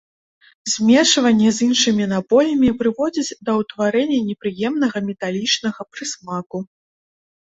Змешванне з іншымі напоямі прыводзіць да ўтварэння непрыемнага металічнага прысмаку.